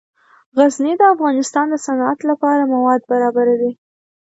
غزني د افغانستان د صنعت لپاره مواد برابروي.